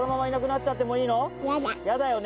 やだよね。